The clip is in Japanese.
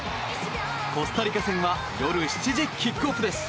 コスタリカ戦は夜７時キックオフです！